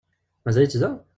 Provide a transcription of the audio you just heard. Mazal-itt da?